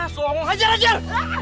sok mau hajar hajar